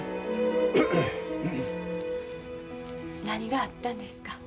何があったんですか？